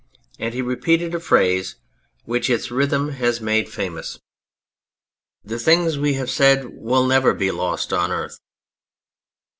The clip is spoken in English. And he repeated a phrase which its rhythm has made famous, 273 T On Anything "The things we have said will never be lost on earth."